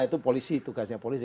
itu polisi tugasnya polisi